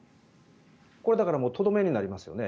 これはだからもうとどめになりますよね。